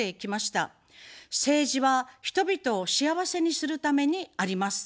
政治は人々を幸せにするためにあります。